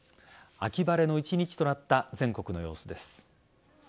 秋晴れの１日となった全国の様子です。